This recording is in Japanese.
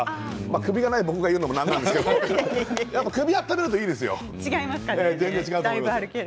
首がない僕が言うのもなんですけど首を温めるといいですよ。